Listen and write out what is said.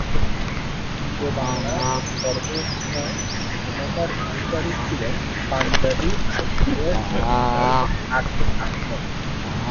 পূর্ব বাংলার সর্বময় ক্ষমতার অধিকারী ছিলেন পাঞ্জাবি আইসিএস অফিসার আজিজ আহমদ।